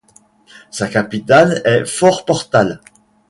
Sa capitale est Fort Portal.